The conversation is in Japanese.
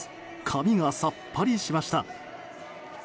髪がさっぱりしました。